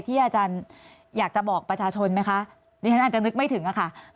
อาจารย์อยากจะบอกประชาชนไหมคะดิฉันอาจจะนึกไม่ถึงค่ะ